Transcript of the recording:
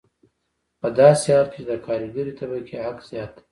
په داسې حال کې چې د کارګرې طبقې حق زیات دی